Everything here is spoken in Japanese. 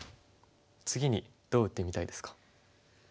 次にどう打ってみたいですか？